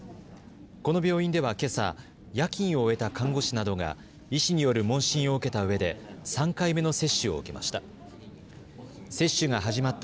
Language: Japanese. この病院ではけさ、夜勤を終えた看護師などが医師による問診を受けたうえで３回目の接種を受けました。